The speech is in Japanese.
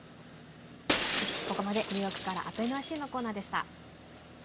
ここまでニューヨークから「＠ｎｙｃ」のコーナーでした。